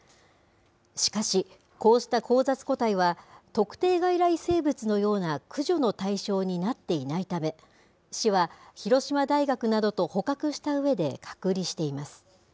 しかし、こうした交雑個体は、特定外来生物のような駆除の対象になっていないため、市は広島大学などと捕獲したうえで隔離しています。